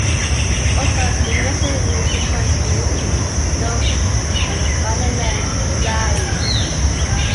Also in merson is the country store owned by the man Larry!